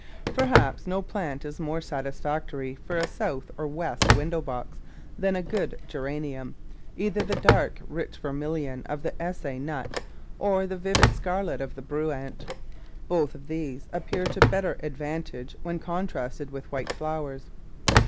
Perhaps no plant is more satisfactory for a south or west window box than a good Geranium— either the dark, rich vermilion of the S. A. Nutt, or the vivid scarlet of the Bruant. Both of these appear to bet ter advantage when contrasted with white flowers.